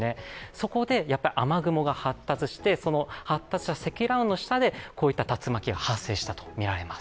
そこで、雨雲が発達して発達した積乱雲の下で、こういった竜巻が発生したとみられます。